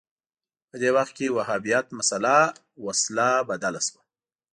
په دې وخت کې وهابیت مسأله وسله بدله شوه